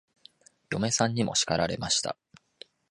嫁さんにも叱られました。